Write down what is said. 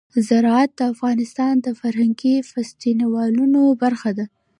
زراعت د افغانستان د فرهنګي فستیوالونو برخه ده.